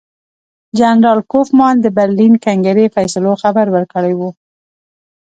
جنرال کوفمان د برلین کنګرې فیصلو خبر ورکړی وو.